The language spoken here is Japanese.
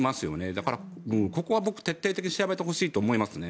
だから、ここは僕、徹底的に調べてほしいと思いますね。